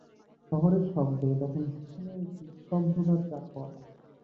শহরের শব্দে তখন স্থানীয় একটু স্তব্ধতার চাপ পড়ে।